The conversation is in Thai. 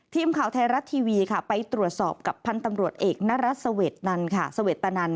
ทีมข่าวไทยรัฐทีวีค่ะไปตรวจสอบกับพันธ์ตำรวจเอกนรัฐเสวดนันค่ะเสวตนัน